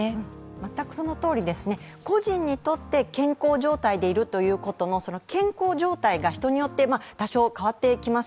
全くそのとおりですね、個人にとって健康状態であるということの健康状態が人によって多少変わってきます。